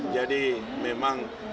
jadi memang indonesia